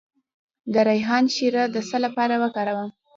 د ریحان شیره د څه لپاره وکاروم؟